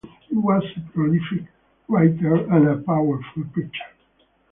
He was a prolific writer and a powerful preacher.